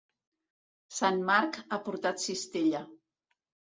Sant Marc ha portat cistella.